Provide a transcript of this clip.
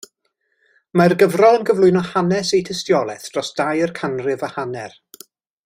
Mae'r gyfrol yn cyflwyno hanes eu tystiolaeth dros dair canrif a hanner.